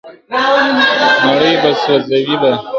نړوي به سوځوي به ..